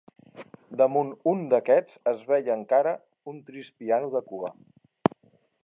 Damunt un d'aquests es veia encara un trist piano de cua